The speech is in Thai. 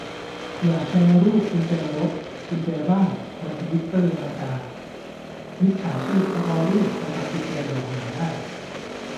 อย่าแชร์รูปกุญแจรถ กุญแจบ้าน บนทวิตเตอร์นาจา มิจฉาชีพเขาเอารูปไปทำกุญแจดอกใหม่ได้